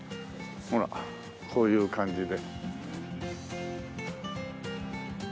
ほらこういう感じで。